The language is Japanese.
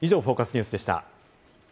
ニュースでした。